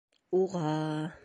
Уға...